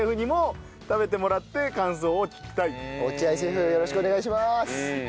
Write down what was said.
落合シェフよろしくお願いします！